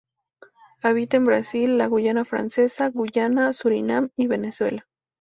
Habita en Brasil, la Guayana francesa, Guyana, Surinam y Venezuela.